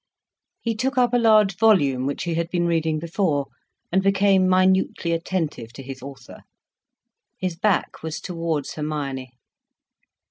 He took up a large volume which he had been reading before, and became minutely attentive to his author. His back was towards Hermione.